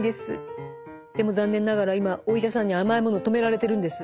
でも残念ながら今お医者さんに甘いものを止められてるんです。